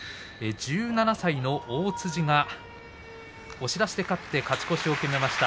１７歳の大辻が押し出して勝ち越しを決めました。